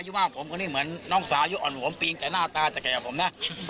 ผมได้มาสัมผัสผมได้มานอนตรงนี้ผมไม่ได้อะไรกับชีวิตอยู่แล้ว